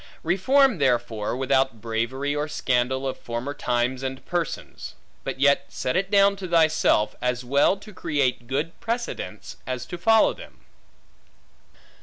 Reform therefore, without bravery, or scandal of former times and persons; but yet set it down to thyself, as well to create good precedents, as to follow them.